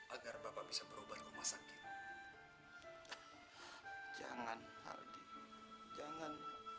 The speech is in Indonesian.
agar bapak bisa berubah rumah sakit jangan jangan